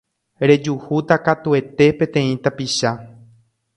rejuhúta katuete peteĩ tapicha.